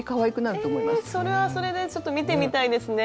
えそれはそれでちょっと見てみたいですね。